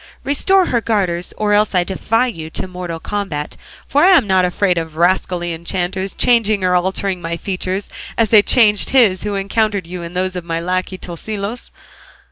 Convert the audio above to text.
Restore her garters, or else I defy you to mortal combat, for I am not afraid of rascally enchanters changing or altering my features as they changed his who encountered you into those of my lacquey, Tosilos."